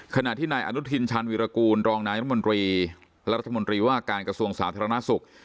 ขณะที่นายอนุทินชาญวิรากูลรองนายรัฐมนตรีและรัฐมนตรีว่าการกระทรวงสาธารณสุข